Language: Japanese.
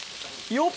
よっ！